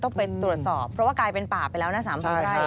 ไปตรวจสอบเพราะว่ากลายเป็นป่าไปแล้วนะ๓๐ไร่